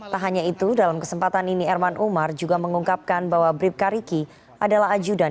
tak hanya itu dalam kesempatan ini erman umar juga mengungkapkan bahwa bribka riki adalah ajudan